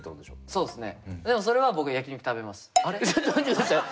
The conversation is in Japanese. そうですね。